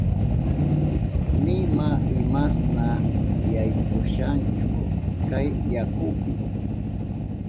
Nima imashna yaykushanchu kay yakupi.